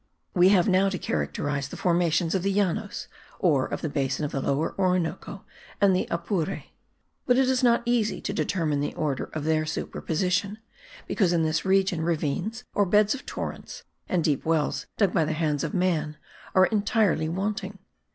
We have now to characterize the formations of the Llanos (or of the basin of the Lower Orinoco and the Apure); but it is not easy to determine the order of their superposition, because in this region ravines or beds of torrents and deep wells dug by the hands of man are entirely wanting.